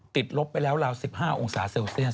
ลบไปแล้วราว๑๕องศาเซลเซียส